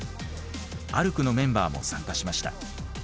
「あるく」のメンバーも参加しました。